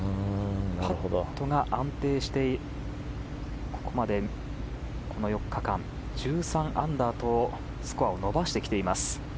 パットが安定していてここまで、この４日間１３アンダーとスコアを伸ばしてきています。